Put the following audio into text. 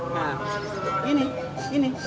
nah ini ini